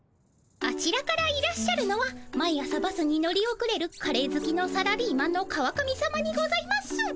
あちらからいらっしゃるのは毎朝バスに乗りおくれるカレーずきのサラリーマンの川上さまにございます。